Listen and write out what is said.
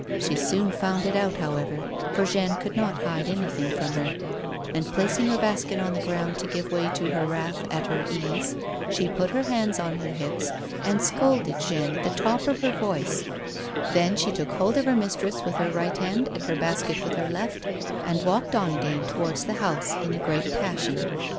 She soon found it out, however, for Jeanne could not hide anything from her, and placing her basket on the ground to give way to her wrath at her ease, she put her hands on her hips and scolded Jeanne at the top of her voice ; then she took hold of her mistress with her right hand and her basket with her left and walked on again towards the house in a gj eat passion.